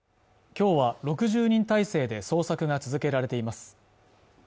今日は６０人態勢で捜索が続けられています